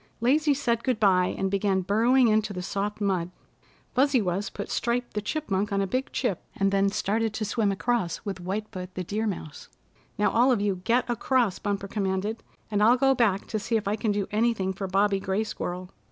Lazy said good bye, and began burrowing into the soft mud. Fuzzy Wuzz put Stripe the Chipmunk on a big chip, and then started to swim across with White Foot the Deer Mouse. "Now all of you get across," Bumper commanded, "and I'll go back to see if I can do anything for Bobby Gray Squirrel."